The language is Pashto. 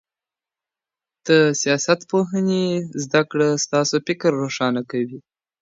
د سياست پوهني زده کړه ستاسو فکر روښانه کوي.